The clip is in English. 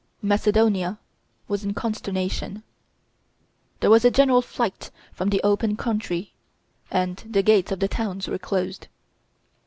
Macedonia was in consternation; there was a general flight from the open country, and the gates of the towns were closed.